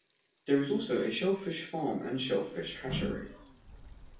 There also is a shellfish farm and a shellfish hatchery.